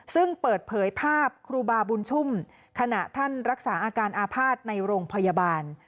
ซึ่งเปิดเผยภาพครูบาบุญชุ่มขณะท่านรักษาอาการอาภาษณ์ในโรงพยาบาล